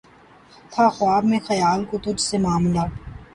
تھا خواب میں خیال کو تجھ سے معاملہ